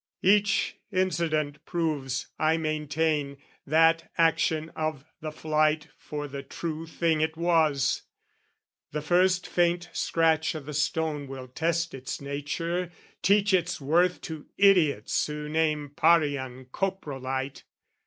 Each incident Proves, I maintain, that action of the flight For the true thing it was. The first faint scratch O' the stone will test its nature, teach its worth To idiots who name Parian, coprolite.